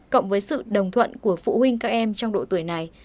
cộng với sự đồng thuận của phụ huynh các em trong độ tuổi này